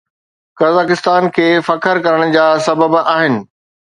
قزاقستان کي فخر ڪرڻ جا سبب آهن